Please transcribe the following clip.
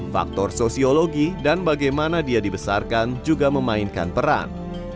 faktor sosiologi dan bagaimana dia dibesarkan juga memainkan peran